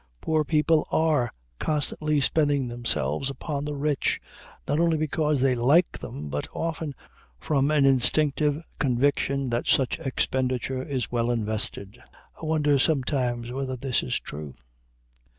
Poor people are constantly spending themselves upon the rich, not only because they like them, but often from an instinctive conviction that such expenditure is well invested. I wonder sometimes whether this is true.